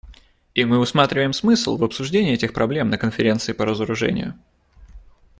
И мы усматриваем смысл в обсуждении этих проблем на Конференции по разоружению.